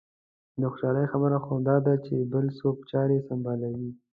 د خوشالۍ خبره خو دا ده چې بل څوک چارې سنبالوي.